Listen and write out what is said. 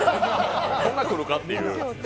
こんな来るかって。